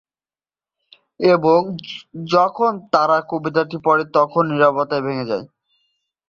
এবং যখন তারা কবিতাটি পড়ে, তখন নিরবতা ভেঙ্গে যায়।